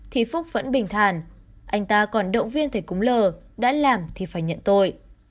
thì phúc vẫn bình thản anh ta còn động viên thầy cúng lờ đã làm thì phải nhận tội